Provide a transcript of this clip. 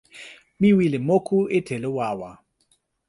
mi wile moku e telo wawa.